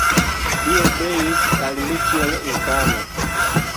Li obeis al mi kiel infano.